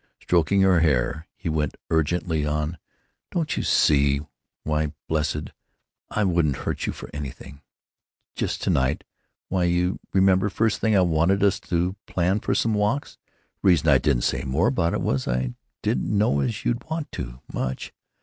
Stroking her hair, he went urgently on: "Don't you see? Why, blessed, I wouldn't hurt you for anything! Just to night—why, you remember, first thing, I wanted us to plan for some walks; reason I didn't say more about it was, I didn't know as you'd want to, much.